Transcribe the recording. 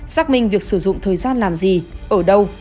xác minh việc sử dụng thời gian làm gì ở đâu